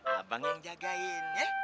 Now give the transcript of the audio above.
abang yang jagain ya